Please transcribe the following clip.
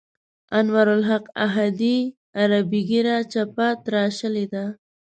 انوارالحق احدي عربي ږیره چپه تراشلې ده.